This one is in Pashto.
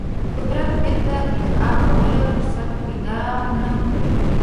قدرت بیرته اعاده کولو فرصت پیدا نه کړي.